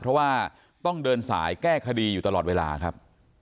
เพราะว่าต้องเดินสายแก้คดีอยู่ตลอดเวลาครับ